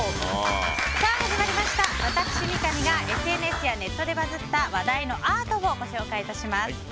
始まりました、私、三上がＳＮＳやネットでバズった話題のアートをご紹介致します。